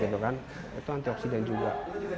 tahu itu kan selain protein dia ada antioksidan juga